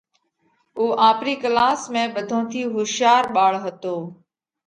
اُو آپرِي ڪلاس ۾ ٻڌون ٿِي هوشِيار ٻاۯ هتو۔